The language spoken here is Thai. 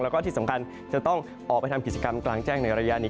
แล้วก็ที่สำคัญจะต้องออกไปทำกิจกรรมกลางแจ้งในระยะนี้